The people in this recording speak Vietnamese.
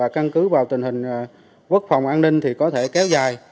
căn cứ vào tình hình quốc phòng an ninh thì có thể kéo dài